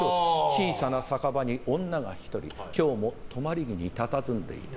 小さな酒場に女が１人今日も止まり木にたたずんでいた。